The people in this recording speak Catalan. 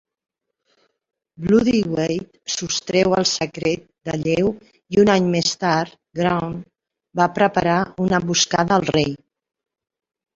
Blodeuwedd sostreu el secret de Lleu i un any més tard, Gronw va preparar una emboscada al rei.